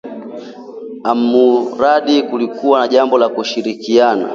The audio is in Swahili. almuradi kulikuwa na jambo la kushindaniana